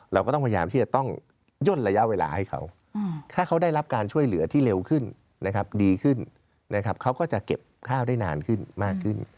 เราก็ต้องพยายามที่จะต้องย่นระยะเวลาให้เขาถ้าเขาได้รับการช่วยเหลือที่เร็วขึ้นนะครับดีขึ้นนะครับเขาก็จะเก็บข้าวได้นานขึ้นมากขึ้น